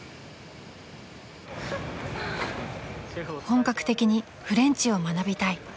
［本格的にフレンチを学びたい］